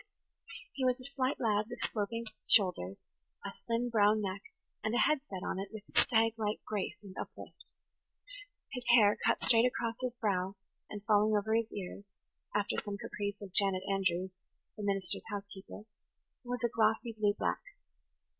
He was a slight lad, with sloping shoulders, a slim brown neck, and a head set on it with stag like grace and uplift. His hair, cut straight across his brow and falling over his ears, after some caprice of Janet Andrews, the minister's housekeeper, was a glossy blue black.